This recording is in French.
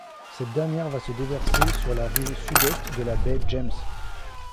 Cette dernière va se déverser sur la rive Sud-Est de la Baie James.